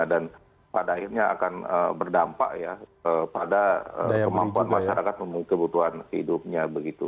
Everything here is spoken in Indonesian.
dan pada akhirnya akan berdampak ya pada kemampuan masyarakat memiliki kebutuhan hidupnya